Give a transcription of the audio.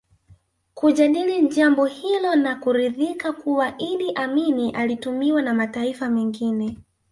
Kujadili jambo hilo na kuridhika kuwa Idi Amin alitumiwa na mataifa mengine